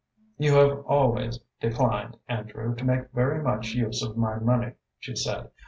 "You have always declined, Andrew, to make very much use of my money," she said.